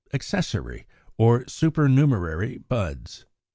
=Accessory or Supernumerary Buds.